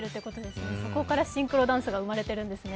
そこからシンクロダンスが生まれてるんですね。